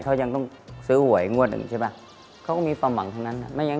เขายังต้องซื้อห่วงให้งวดสินะใช่ไหม